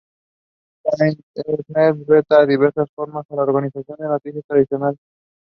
The assembly then elected him President of Kivu Province.